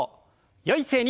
よい姿勢に。